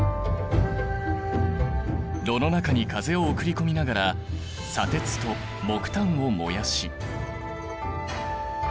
炉の中に風を送り込みながら砂鉄と木炭を燃やし。